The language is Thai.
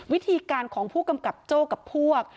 วิธีการของผู้กำกับโจ้กับพวก